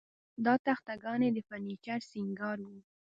دا تخته ګانې د فرنیچر سینګار و